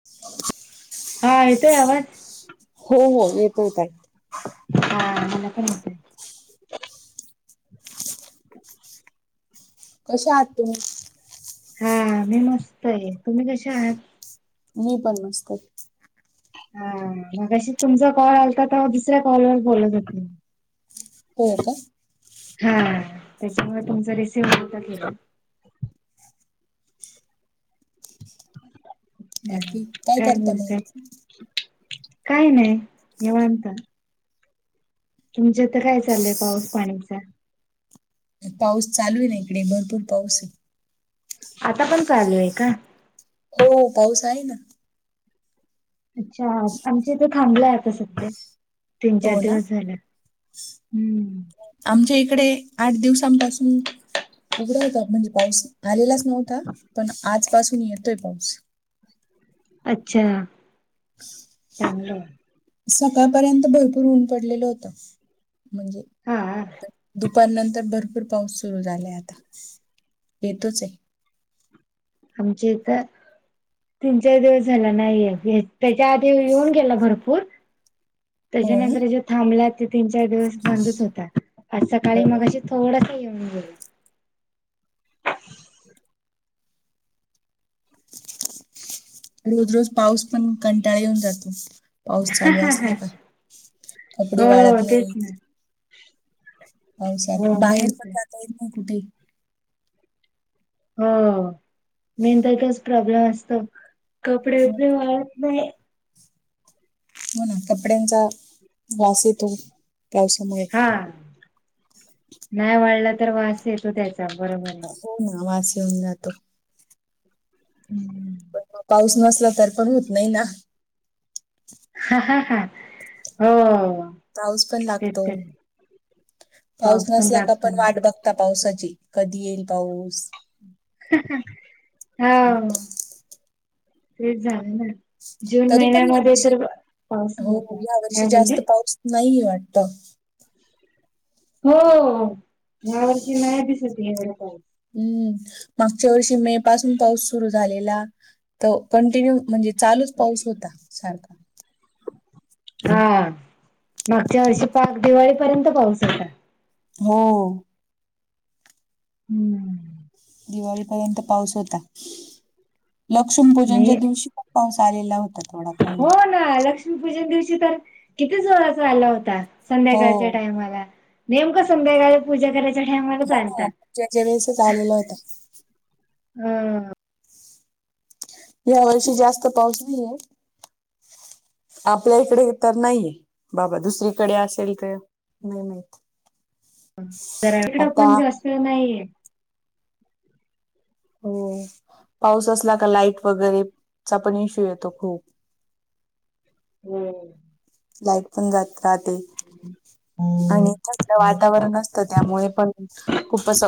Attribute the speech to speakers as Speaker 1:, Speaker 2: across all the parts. Speaker 1: [inaudible]
Speaker 2: हा येतोय आवाज
Speaker 1: हो हो येतोय ताई
Speaker 2: हा मला पण येतोय.
Speaker 1: कशा आहात तुम्ही?
Speaker 2: हा मी मस्त य तुम्ही कशे आहात?
Speaker 1: मी पण मस्त.
Speaker 2: हा मगाशी तुमचा कॉल आलता तवा दुसऱ्या कॉलवर बोलत होते मी
Speaker 1: होय का
Speaker 2: हा त्याच्यामुळे तुमचा रिसिव्ह नव्हता केला हं
Speaker 1: बाकी
Speaker 2: काय
Speaker 1: करता मग
Speaker 2: म्हणता
Speaker 1: तुम्ही?
Speaker 2: काय नाय निवांत तुमच्या इथं काय चांलय पाऊस पाणीच
Speaker 1: पाऊस चालू ये ना इकडे भरपूर पाऊस ये.
Speaker 2: आता पण चालू ये का?
Speaker 1: हो पाऊस आहे ना.
Speaker 2: अच्छा आमच्या इथे थांबलाय आता सध्या तीन चार
Speaker 1: हो ना?
Speaker 2: दिवस झाल हुं
Speaker 1: आमच्या इकडे आठ दिवसांपासून उघडा होता म्हणजे पाऊस आलेलाच नव्हता पण आजपासून येतोय पाऊस
Speaker 2: अच्छा चांगलय
Speaker 1: सकाळपर्यंत भरपूर ऊन पडलेलं होत म्हणजे
Speaker 2: हा
Speaker 1: दु पार नंतर भरपूर पाऊस सुरू झालाय आता येतोचय
Speaker 2: आमच्या इथं तीन चार दिवस झाला नाहीये हे त्याच्या आधी येऊन गेला भरपूर
Speaker 1: हो ना?
Speaker 2: त्याच्यानंतर जो थांबला त्यो तीन चार दिवस बंदच होता. आज
Speaker 1: हो.
Speaker 2: सकाळी मघाशी थोडासा येऊन गेल
Speaker 1: रोज रोज पाऊस पण कंटाळा येऊन जातो पाऊस चालू असला का कपडे वाळत
Speaker 2: हो तेच
Speaker 1: नाई.
Speaker 2: ना
Speaker 1: पावसात
Speaker 2: हो मेन
Speaker 1: बाहेर पण
Speaker 2: तर
Speaker 1: जताा येत नाय कुठे
Speaker 2: हो मेन त तोच प्रॉब्लेम असतो कपडे
Speaker 1: मग
Speaker 2: बीपडे वाळत नाही.
Speaker 1: हो ना कपड्यांचा वास येतो. पावसामुळे
Speaker 2: हा नाय वाळला तर वास येतो त्याचा बरोबरय
Speaker 1: हो ना वास येऊन जातो.
Speaker 2: हुं हुं
Speaker 1: पण म पाऊस नसला तर पण होत नाही ना
Speaker 2: हा हा हा हो
Speaker 1: पाऊस पण
Speaker 2: तेच
Speaker 1: लागतो
Speaker 2: तर
Speaker 1: पाऊस नसला का पण वाट बघ आता पावसाची कधी येईल पाऊस
Speaker 2: हावं तेच झालं ना जून
Speaker 1: तरी पण
Speaker 2: महिन्यानंमध्ये
Speaker 1: यावर्षी
Speaker 2: तर पाऊस नव्हता काय बोलली
Speaker 1: नाहीये वाटत.
Speaker 2: हो ह्या वर्षी नाय दिसत ये एवढा पाऊस.
Speaker 1: हम्म मागच्या वर्षी मे पासून पाऊस सुरू झालेला तो कंटिन्यू म्हणजे चालूच पाऊस होता सारखा
Speaker 2: हा मागच्या वर्षी पाक दिवाळीपर्यंत पाहचता.
Speaker 1: हो.
Speaker 2: [unintelligible]
Speaker 1: दिवाळीपर्यंत पाऊस होता मग लक्ष्मी पूजनच्या दिवशी पाऊस आलेला होता. थोडा कमी.
Speaker 2: हो ना लक्ष्मीपूजन दिवशी तर कितीच वराचा आला होता.
Speaker 1: हो
Speaker 2: संध्याकाळच्या टाइमाला नेमकं संध्याकाळ पूजा करायच्या टाइमालचा
Speaker 1: हो ना
Speaker 2: आलता
Speaker 1: पूजेच्या वेळेसच आलेला होता.
Speaker 2: अ
Speaker 1: या वर्षी जास्त पाऊस नाहीय. आपल्या इकडे तर नाहीये बाबा दुसरीकडे असेल का? नाही नाही.
Speaker 2: जरा इकड पण जास्त नाहीये.
Speaker 1: हो पाऊस असला का लाईट वगैरेचा पण इश्यू येतो खूप
Speaker 2: होम्.
Speaker 1: लाईट पण जात राहते आणि थंड वातावरण असतं त्यामुळे पण खूपच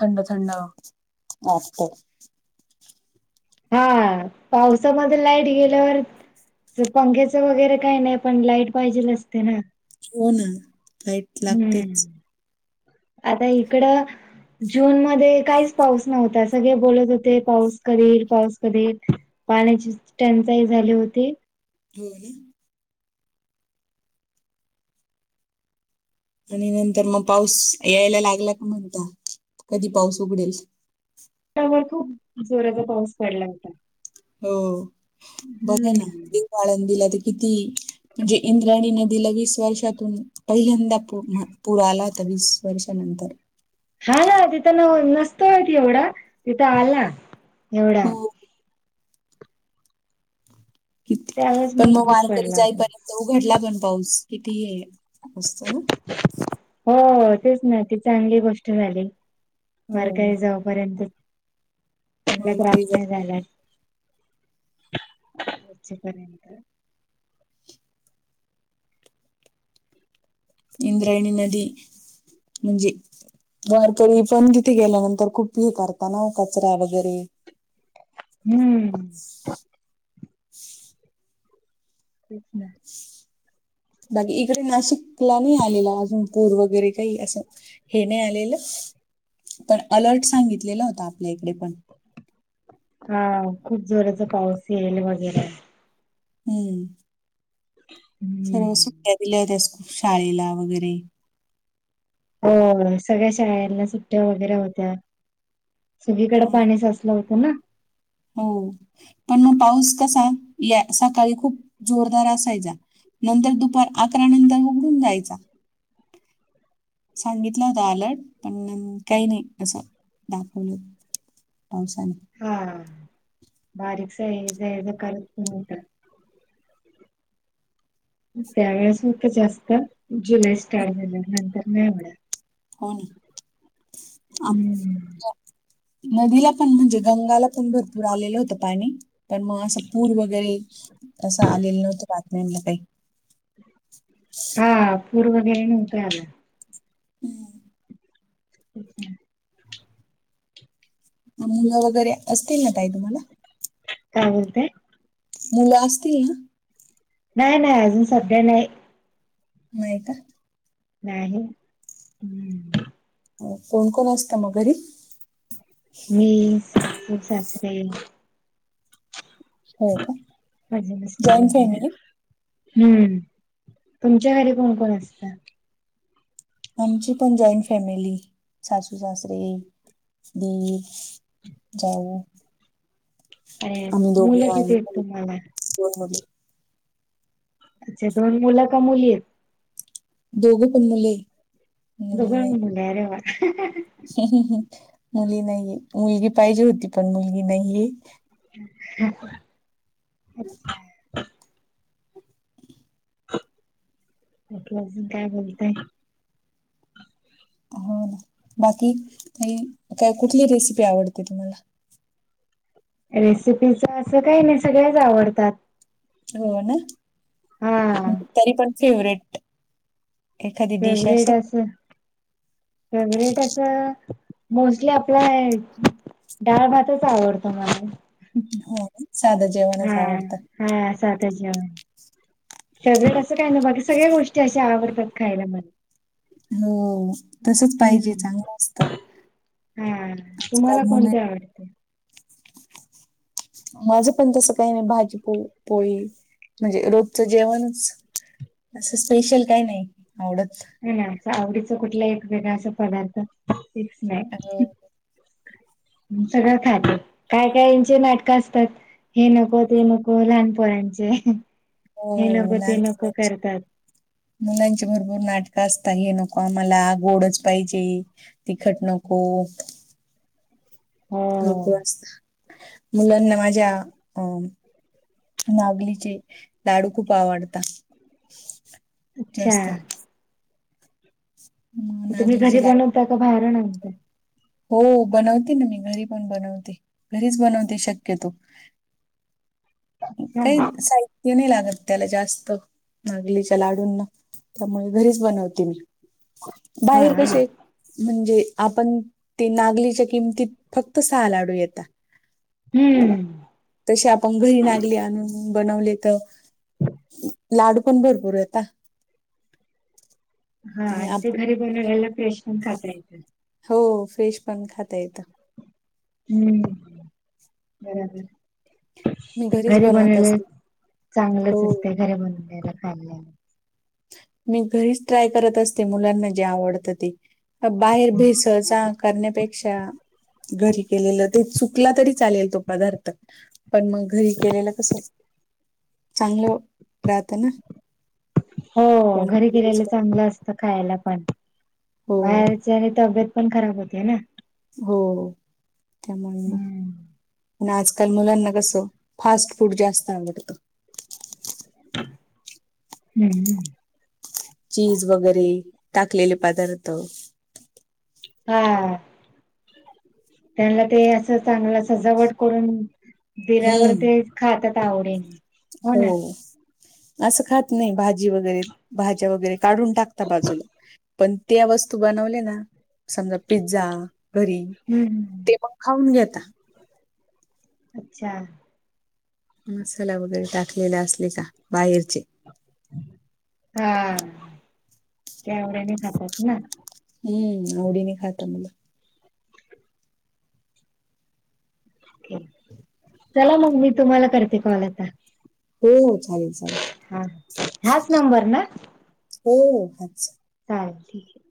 Speaker 1: थंड थंड अचछ.
Speaker 2: हा पावसामध्ये लाईट गेल्यावर पंखेचं वगैरे काही नाही पण लाईट पाहिजेल असते ना.
Speaker 1: हो ना लाईट लागतेच.
Speaker 2: हम्म आता इकड. जून मध्ये काहीच पाऊस नव्हता सगळे बोलत होते पाऊस करधीील [unintelligible] पाऊस करधीील [unintelligible] पाण्याची टंचाई झाली होती.
Speaker 1: हो ना. आणि नंतर मग पाऊस यायला लागला का म्हणता कधी पाऊस उघडेल.
Speaker 2: व खूप जोराचा पाऊस पडला होता.
Speaker 1: हो बघा ना.
Speaker 2: हम्म
Speaker 1: ळ दिला तर किती म्हणजे इंद्राणी न दिला वीस वर्षातून पहिल्यांदा पुूर आला होता वीस वर्षानंतर
Speaker 2: हा ना तिथं न नसतोय एवढा तिथं आला एवढा
Speaker 1: हो कि
Speaker 2: त्यावेळेस
Speaker 1: पण मग
Speaker 2: मजबूत
Speaker 1: वारकरी
Speaker 2: पडला होता
Speaker 1: जायपर्यंत उघडला पण पाऊस किती असत ना.
Speaker 2: हो तेच ना ती चांगली गोष्ट झाली
Speaker 1: हो
Speaker 2: वारकाई जाऊ यंत
Speaker 1: वारकरी
Speaker 2: ग्रफ नाही झाला.
Speaker 1: जाईपर्यंत
Speaker 2: जपर्यंत
Speaker 1: इंद्राणी नदी म्हणजे वारकरी पण तिथे गेल्यानंतर खूप हे करताना कचरा वगैरे
Speaker 2: हम्म.
Speaker 1: [unintelligible]
Speaker 2: तेच ना.
Speaker 1: बाकी इकडे नाशिकला नाही आलेला अजून पूर वगैरे काही असं. हे नाही आलेलं पण अलर्ट सांगितलेला होता आपल्या इकडे पण
Speaker 2: हा खूप जोराचा पाऊस येईल वगैरे
Speaker 1: हम्म.
Speaker 2: हम्म.
Speaker 1: सर्व सुट्ट्या दिल्या होत्यासूप शाळेला वगैरे
Speaker 2: अ सगळ्या शाळेना सुट्ट्या वगैरे होत्या सगळीकडे
Speaker 1: हो ना.
Speaker 2: पाणी साचलं होतं. हो ना.
Speaker 1: हो पण मग पाऊस कसा या सकाळी खूप जोरदार असायचा. नंतर दुपार अकरा नंतर उघडून जायचा. सांगितलं होता आलर्ट, पण काही नाही असं दाखवलं. पाऊस आणि
Speaker 2: हा बारीक हे जाच करतत. त्या वेळेस मत जास्त जुलै स्टार्ट झालं नंतर म येवढं.
Speaker 1: हो ना आप
Speaker 2: हम्म
Speaker 1: आ. नदीला पण म्हणजे, गंगाला पण भरपूर आलेलं होतं पाणी. पण मग असं पूर वगैरे असं आलेलं नव्हतं बातम्यांला काही.
Speaker 2: हा पूर व वैगेरे नव्हत आला.
Speaker 1: ह.
Speaker 2: अच्छा.
Speaker 1: मुलं वगैरे असतील ना काही तुम्हाला.
Speaker 2: काय म्हणते.
Speaker 1: मुल असतील ना.
Speaker 2: नाही नाही अजून सध्या नाही.
Speaker 1: नाही का.
Speaker 2: नाही हम्.
Speaker 1: कोण कोण असतं मग घरी.
Speaker 2: मी सासरे.
Speaker 1: हो का
Speaker 2: मज मस्
Speaker 1: जॉईंट
Speaker 2: वगैरे.
Speaker 1: फॅमिली
Speaker 2: हम्म, तुमच्या घरी कोण कोण असतात.
Speaker 1: आमची पण जॉईंट फॅमिली, सासू, सासरे, दीर. जाऊ.
Speaker 2: हम्म
Speaker 1: आम्ही दोघे
Speaker 2: मुलं
Speaker 1: आणि
Speaker 2: किती आहेत तुम्हाला.
Speaker 1: दोन.
Speaker 2: अच्छा, दोन मुलं का मुली आहेत.
Speaker 1: दोघ पन मुले. मुली
Speaker 2: दोघे
Speaker 1: नाही
Speaker 2: पण मुले आरे वा.
Speaker 1: मुली नाहीये, मुलगी पाहिजे होती पण मुलगी नाहीये.
Speaker 2: [unintelligible] त्यालं अजून काय बोलतय.
Speaker 1: हो ना बाकी का काय कुठली रेसिपी आवडते तुम्हाला.
Speaker 2: रेसिपीच असं काही नाही सगळ्याच आवडतात.
Speaker 1: हो ना,
Speaker 2: हा
Speaker 1: तरी पण फेवरेट. एखादी डिश अस.
Speaker 2: फेवरेट असं फेवरेट असं मोस्टली आपलं आहे. डाळ भातच आवडत मला.
Speaker 1: साधाच.
Speaker 2: हा हा साधाच जेवण. फेवरेट आस काही नाही ना बाकी सगळ्या गोष्टी अशे आवडतात खायला मला.
Speaker 1: हो. तसच पाहिजे
Speaker 2: हम्म
Speaker 1: चांगलं असत,
Speaker 2: हा.
Speaker 1: आज
Speaker 2: तुम्हाला
Speaker 1: कल मुले.
Speaker 2: कोणते आवडते?
Speaker 1: माझ पण तस काही नाही. भाजी पण पोळी म्हणजे रोजचं जेवणच, असं स्पेशल काही नाही आवडत.
Speaker 2: नाही नाही अस आवडीच कुठला एक मेकांच अस पदार्थ फिक्स
Speaker 1: हो,
Speaker 2: नाही. सगळं खाते, काय कायचे नाटकं असतात. हे नको ते नको लहानपुरांचे हे
Speaker 1: हो.
Speaker 2: नको ते नको करतात.
Speaker 1: मुलांचे भरपूर नाटकं असत. हे नको आम्हाला गोडच पाहिजे. तिखट नको.
Speaker 2: हो
Speaker 1: माहिती असत मुलांना माझ्या अं. नागलीचे लाडू खूप आवडतात
Speaker 2: अच्छा
Speaker 1: जास्त. [inaudible]
Speaker 2: तुम्ही घरी
Speaker 1: नागलीचे लाडू
Speaker 2: बनवता का बाहेर आणता
Speaker 1: हो बनवते ना मी घरी पण बनवते घरीच बनवते शक्यतो. काय
Speaker 2: अच्छा
Speaker 1: साई ते नाही लागत त्याला जास्त नागलीच्या लाडूंना त्यामुळे घरीच बनवते मी
Speaker 2: हा
Speaker 1: बाहेर
Speaker 2: हा
Speaker 1: कसे म्हणजे आपण ते नागलीच्या किमतीत फक्त सहा लाडू येता.
Speaker 2: हम्म
Speaker 1: तसे आपण घरी नागली आणून बनवले तर लाडू पण भरपूर येता
Speaker 2: हा आणि ते घरी बनूनयला फ्रेश पण खातायेता
Speaker 1: हो फ्रेश पण खाता येतं
Speaker 2: हम्म बरोबर
Speaker 1: मी घरीच
Speaker 2: घरी
Speaker 1: बनवत
Speaker 2: बनलेल
Speaker 1: असते. हो,
Speaker 2: चांगलंच असते घरी बनलेला खायला
Speaker 1: मी घरीच ट्राय करत असते मुलांना जे आवडतं ते बाहेर भिसळ सहचन करण्यापेक्षा घरी केलेलं ते चुकला तरी चालेल तो पदार्थ पण मग घरी केलेलं कस चांगलं राहतं ना
Speaker 2: हो घरी
Speaker 1: त्यामुळे घरीच
Speaker 2: गेलेलं
Speaker 1: बनव
Speaker 2: चांगलं असतं खायला पण
Speaker 1: हो,
Speaker 2: बाहेरचे आणि तब्येत पण खराब होतेे ना
Speaker 1: हो त्यामुळे मग
Speaker 2: हम्म
Speaker 1: पण आजकाल मुलांना कसं फास्ट फूड जास्त आवडतं.
Speaker 2: हम्म
Speaker 1: चीज वगैरे टाकलेले पदार्थ
Speaker 2: हा आ त्यांना ते असं चांगलं सजावट करून दिल्यावर
Speaker 1: हम्म,
Speaker 2: ते खातात आवडीनी
Speaker 1: हो असं खात नाही भाजी वगैरे भाज्या वगैरे काढून टाकता बाजूला पण त्या वस्तू बनवल्या ना समजा पिझ्झा घरी
Speaker 2: हम्म
Speaker 1: ते
Speaker 2: हम्म
Speaker 1: मग खाऊन घेता
Speaker 2: अच्छा
Speaker 1: मसाला वगैरे टाकलेला असले का बाहेरचे
Speaker 2: हा ते आडीने खातात ना
Speaker 1: हम्म आवडीने खाताता ब
Speaker 2: चला मग मी तुम्हाला करते कॉल आता
Speaker 1: हो हो चालेल चालेल
Speaker 2: हा हाच नंबर ना
Speaker 1: हो हाच नंबर
Speaker 2: चालेल ठीक आहे